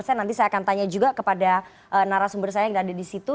nanti saya akan tanya juga kepada narasumber saya yang ada di situ